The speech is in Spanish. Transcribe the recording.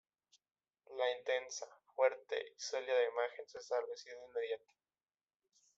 La intensa, fuerte y sólida imagen se estableció de inmediato.